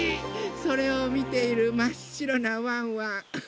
それをみているまっしろなワンワン。